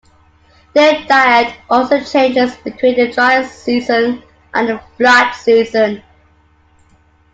Their diet also changes between the dry season and the flood season.